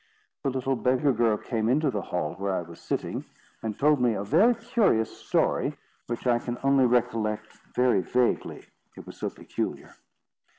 The little beggar girl came into the hall where I was sitting, and told me a very curious story, which I can only recollect very vaguely, it was so peculiar.